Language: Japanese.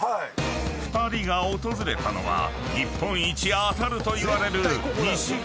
［２人が訪れたのは日本一当たるといわれる］